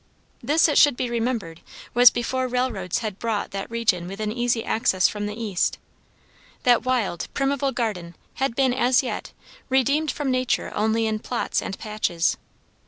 This, it should be remembered, was before railroads had brought that region within easy access from the east. That wild, primeval garden had been, as yet, redeemed from nature only in plots and patches.